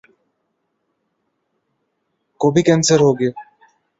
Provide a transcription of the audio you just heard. کو بھی کینسر ہو گیا ؟